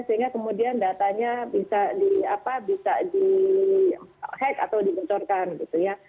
sehingga kemudian datanya bisa di hack atau dibocorkan gitu ya